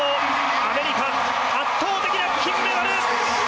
アメリカ圧倒的な金メダル！